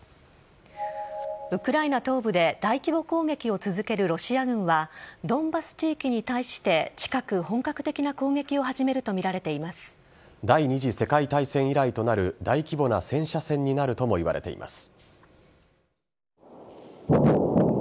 ウクライナ東部で大規模攻撃を続けるロシア軍はドンバス地域に対して近く本格的な攻撃を第２次世界大戦以来となる大規模な戦車戦になるともいわれています。